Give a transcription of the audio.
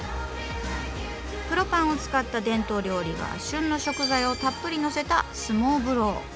黒パンを使った伝統料理が旬の食材をたっぷりのせたスモーブロー。